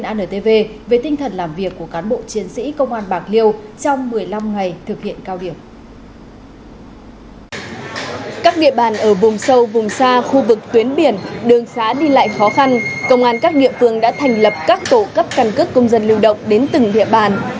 các địa bàn ở vùng sâu vùng xa khu vực tuyến biển đường xá đi lại khó khăn công an các địa phương đã thành lập các tổ cấp căn cước công dân lưu động đến từng địa bàn